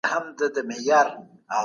زموږ پاچا دی چي